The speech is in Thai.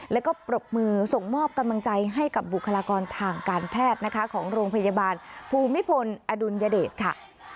แล้วก็ปรบมือส่งมอบกำลังใจให้กับบุคลากรทางการแพทย์นะคะของโรงพยาบาลภูมิพลอดุลยเดชค่ะ